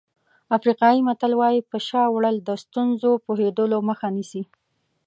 افریقایي متل وایي په شا وړل د ستونزو پوهېدلو مخه نیسي.